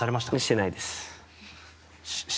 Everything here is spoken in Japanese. してないです。